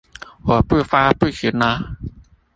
我不發不行啦！